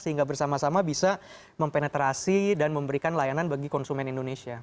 sehingga bersama sama bisa mempenetrasi dan memberikan layanan bagi konsumen indonesia